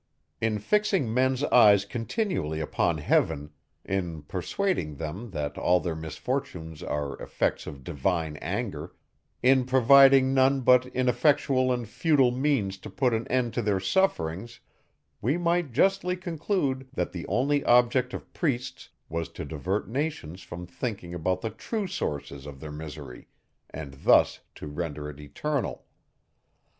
In fixing men's eyes continually upon heaven; in persuading them, that all their misfortunes are effects of divine anger; in providing none but ineffectual and futile means to put an end to their sufferings, we might justly conclude, that the only object of priests was to divert nations from thinking about the true sources of their misery, and thus to render it eternal.